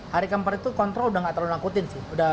hari ke empat itu kontrol udah gak terlalu nakutin